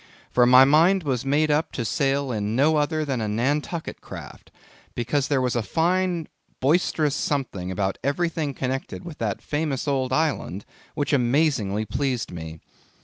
For my mind was made up to sail in no other than a Nantucket craft, because there was a fine, boisterous something about everything connected with that famous old island, which amazingly pleased me.